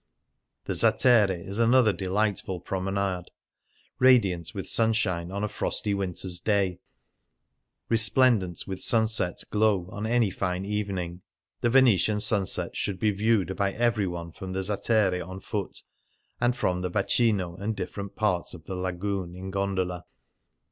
The Zattere is another delightful promenade, radiant with sunshine on a frosty winter's day ; resplendent with sunset glow on any fine evening. The Venetian sunsets should be viewed by every one from the Zattere on foot, and from the Bacino and different parts of the Lagoon in gondola.